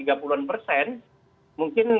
tiga puluh an persen mungkin